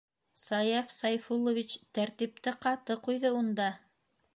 Саяф Сайфуллович тәртипте ҡаты ҡуйҙы унда!